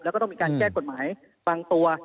แล้วก็ต้องมีการแก้กฎหมายฟังตัว